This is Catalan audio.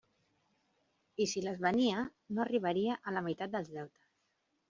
I si les venia, no arribaria a la meitat dels deutes.